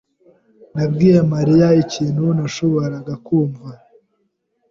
yabwiye Mariya ikintu ntashobora kumva.